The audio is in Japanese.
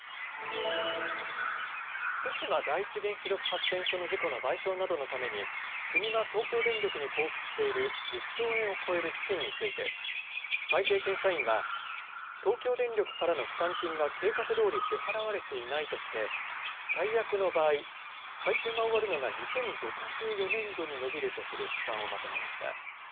福島第一原子力発電所の事故の賠償などのために国が東京電力に交付している１０兆円を超える資金について会計検査院は東京電力からの負担金が計画どおり支払われていないとして最悪の場合、回収が終わるのが２０６４年度に延びるとする試算をまとめました。